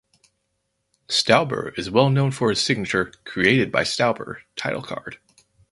Stauber is well known for his signature "created by Jack Stauber" title card.